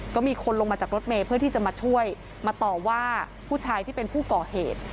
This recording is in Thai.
ก็มีคนลงมาจากรถเมย์เพื่อที่จะมาช่วยมาต่อว่าผู้ชายที่เป็นผู้ก่อเหตุ